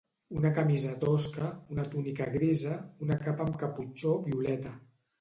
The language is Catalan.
Una camisa tosca, una túnica grisa, una capa amb caputxó violeta.